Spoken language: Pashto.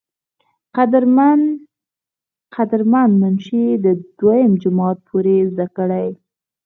قدر مند منشي د دويم جمات پورې زدکړې